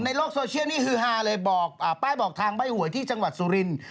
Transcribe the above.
ในโลกโซเชียลนี่คือฮาเลยบอกป้ายบอกทางใบ้หวยที่จังหวัดสุรินทร์